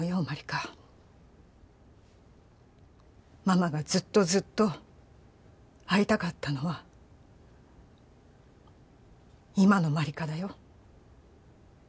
万理華ママがずっとずっと会いたかったのは今の万理華だよ